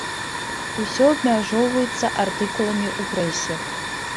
Усё абмяжоўваецца артыкуламі ў прэсе.